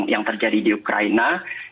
yang terjadi di ukraina